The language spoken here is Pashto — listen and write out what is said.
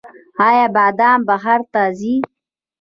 آیا بادام بهر ته ځي؟